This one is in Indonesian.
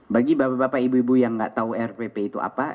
bagi bapak bapak ibu ibu yang nggak tahu rpp itu apa